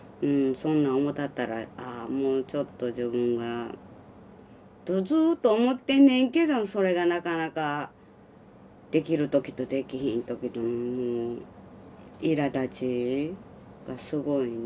そんなおもたったら「ああもうちょっと自分が」とずっと思ってんねんけどそれがなかなかできる時とできひん時とうんいらだちがすごいね。